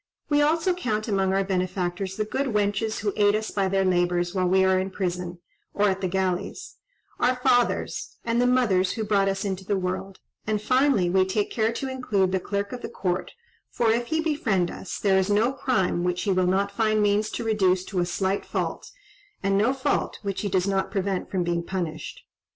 We also count among our benefactors the good wenches who aid us by their labours while we are in prison, or at the galleys; our fathers, and the mothers who brought us into the world; and, finally, we take care to include the Clerk of the Court, for if he befriend us, there is no crime which he will not find means to reduce to a slight fault, and no fault which he does not prevent from being punished.